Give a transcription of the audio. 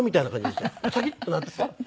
シャキッとなって。